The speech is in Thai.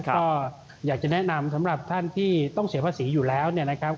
ก็อยากจะแนะนำสำหรับท่านที่ต้องเสียภาษีอยู่แล้ว